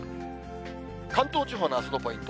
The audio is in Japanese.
関東地方のあすのポイント。